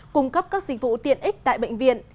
cung cấp các dịch vụ tiện ích tại bệnh viện